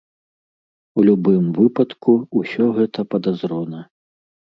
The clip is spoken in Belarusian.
У любым выпадку, усё гэта падазрона.